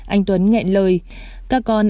anh tuấn nghẹn lời các con